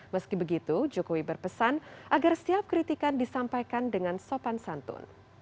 meski begitu jokowi berpesan agar setiap kritikan disampaikan dengan sopan santun